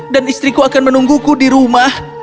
dan istriku akan menungguku di rumah